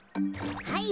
はい。